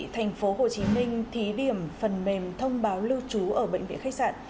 thành phố hồ chí minh thí điểm phần mềm thông báo lưu trú ở bệnh viện khách sạn